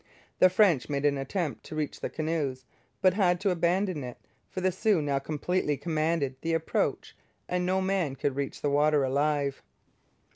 The French made an attempt to reach the canoes, but had to abandon it, for the Sioux now completely commanded the approach and no man could reach the water alive.